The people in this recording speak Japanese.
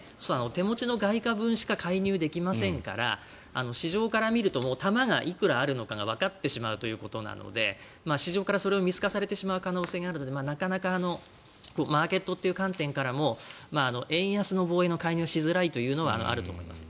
手持ちの外貨分しか介入できませんから市場から見ると玉がいくらあるのかがわかってしまうので市場から、それを見透かされてしまう可能性があるのでなかなかマーケットという観点からも円安の防衛の介入はしづらいというのはあると思います。